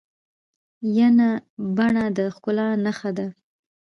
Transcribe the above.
ینه بڼه د ښکلا نخښه ده.